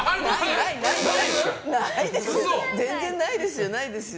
ないですよ、ないですよ。